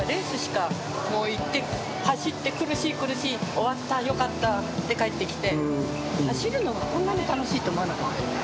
「終わった」「よかった」で帰ってきて。